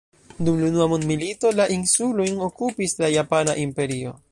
Dum la unua mondmilito, la insulojn okupis la Japana Imperio.